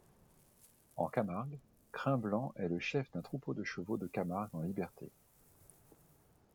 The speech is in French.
En Camargue, Crin-Blanc est le chef d'un troupeau de chevaux de Camargue en liberté.